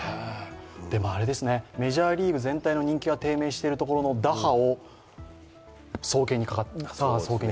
メジャーリーグ全体の人気は低迷しているところの打破を双肩にかかっていますね。